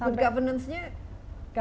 good governance nya penting ya